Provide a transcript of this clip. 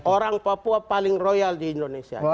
orang papua paling royal di indonesia